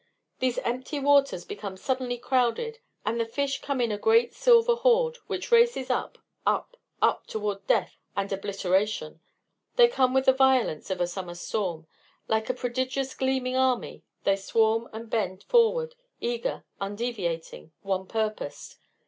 These empty waters become suddenly crowded, and the fish come in a great silver horde, which races up, up, up toward death and obliteration. They come with the violence of a summer storm; like a prodigious gleaming army they swarm and bend forward, eager, undeviating, one purposed.